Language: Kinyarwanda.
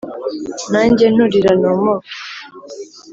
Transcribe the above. “nanjye nturira nomoke